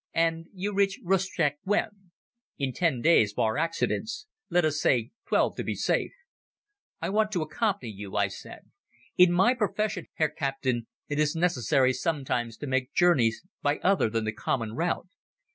"And you reach Rustchuk when?" "In ten days, bar accidents. Let us say twelve to be safe." "I want to accompany you," I said. "In my profession, Herr Captain, it is necessary sometimes to make journeys by other than the common route.